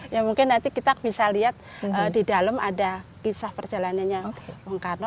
ya mungkin nanti kita bisa lihat di dalam ada kisah perjalanannya bung karno